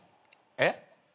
えっ？